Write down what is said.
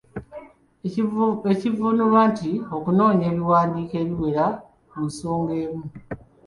Ekivvuunulwa nti okunoonya ebiwandiiko ebiwera ku nsonga emu.